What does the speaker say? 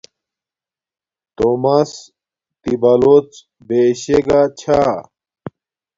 تومس تی بلوڎ بیشے گا چھا